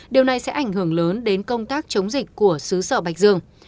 điều này sẽ ảnh hưởng lớn đến công tác chống dịch của xứ sở bạch dương